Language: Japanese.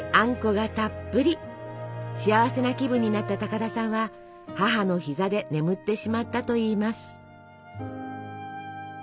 幸せな気分になった高田さんは母の膝で眠ってしまったといいます。